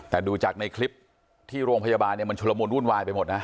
แต่ดูจากในคลิปที่โรงพยาบาลเนี่ยมันชุลมูลวุ่นวายไปหมดนะ